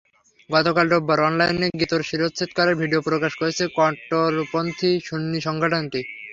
গতকাল রোববার অনলাইনে গোতোর শিরশ্ছেদ করার ভিডিও প্রকাশ করেছে কট্টরপন্থী সুন্নি সংগঠনটি।